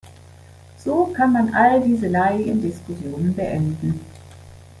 So kann man all diese leidigen Diskussionen beenden.